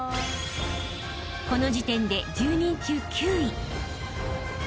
［この時点で１０人中９位］